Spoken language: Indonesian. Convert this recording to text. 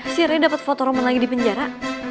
si ray dapat foto roman lagi di penjara